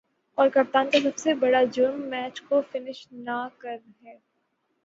اور کپتان کا سب سے بڑا"جرم" میچ کو فنش نہ کر ہے